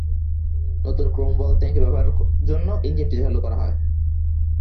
নতুন ক্রোমওয়েল ট্যাংকে ব্যবহারের জন্য ইঞ্জিনটি চালু করা হয়।